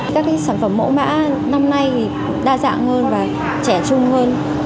các sản phẩm mẫu mã năm nay đa dạng hơn và trẻ trung hơn